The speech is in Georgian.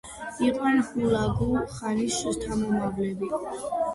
იყვნენ ჰულაგუ-ხანის შთამომავლები.